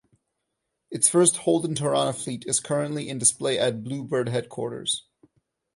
Its first Holden Torana fleet is currently in display at Blue Bird headquarters.